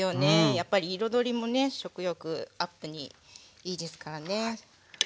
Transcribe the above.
やっぱり彩りもね食欲アップにいいですからね。